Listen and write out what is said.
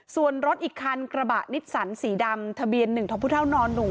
ส่วนรถอีกคันกระบะนิตสันสีดำทะเบียนหนึ่งท้องพุท่าวนอนหนู